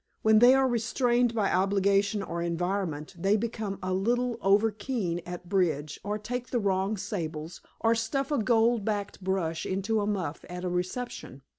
When they are restrained by obligation or environment they become a little overkeen at bridge, or take the wrong sables, or stuff a gold backed brush into a muff at a reception.